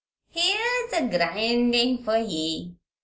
Here's a grindin' for ye.